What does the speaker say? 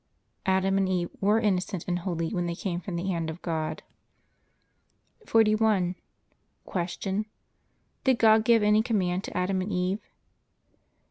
Adam and Eve were innocent and holy when they came from the hand of God. 41. Q. Did God give any command to Adam and Eve?